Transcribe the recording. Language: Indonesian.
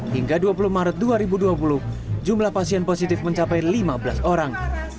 hingga dua puluh maret dua ribu dua puluh jumlah pasien positif mencapai lima belas orang